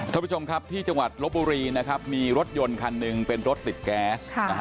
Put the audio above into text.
ท่านผู้ชมครับที่จังหวัดลบบุรีนะครับมีรถยนต์คันหนึ่งเป็นรถติดแก๊ส